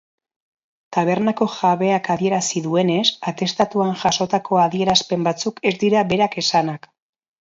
Tabernako jabeak adierazi duenez, atestatuan jasotako adierazpen batzuk ez dira berak esanak.